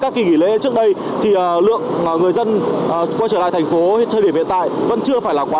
các kỳ nghỉ lễ trước đây thì lượng người dân quay trở lại thành phố thời điểm hiện tại vẫn chưa phải là quá